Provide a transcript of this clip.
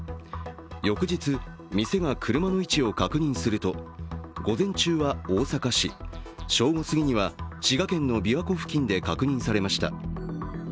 翌日、店が車の位置を確認すると、午前中は大阪市、正午すぎには滋賀県のびわ湖付近で確認されました。